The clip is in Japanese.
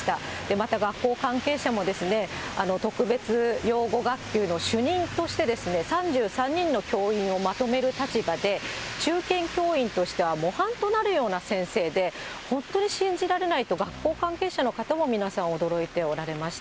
また、学校関係者も、特別養護学級の主任として、３３人の教員をまとめる立場で、中堅教員としては模範となるような先生で、本当に信じられないと、学校関係者の方も皆さん驚いておられました。